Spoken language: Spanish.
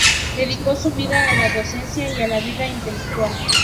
Dedicó su vida a la docencia y a la vida intelectual.